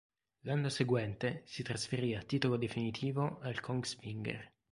L'anno seguente si trasferì a titolo definitivo al Kongsvinger.